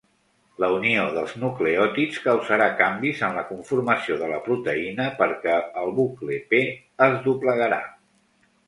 La unió dels nucleòtids causarà canvis en la conformació de la proteïna perquè el bucle P es doblegarà.